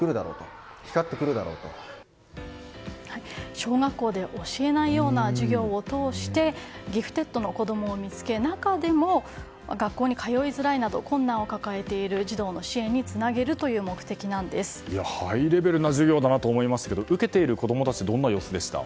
小学校で教えないような授業を通してギフテッドの子供を見つけ中でも学校に通いづらいなど困難を抱えている子供の支援にハイレベルな授業だなと思いますけど受けている子供たちどんな様子でしたか。